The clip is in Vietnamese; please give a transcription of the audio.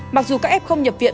mặc dù các ép không nhập viện